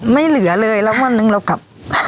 ไม่เหลือเลยแล้ววันหนึ่งเรากลับ